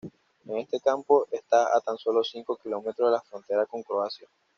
Este campo está a tan solo cinco kilómetros de la frontera con Croacia.